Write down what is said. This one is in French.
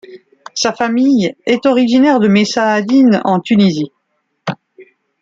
Sa famille est originaire de Messaadine en Tunisie.